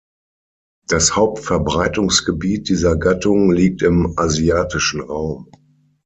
Das Hauptverbreitungsgebiet dieser Gattung liegt im asiatischen Raum.